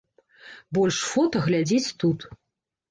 Больш фота глядзець тут.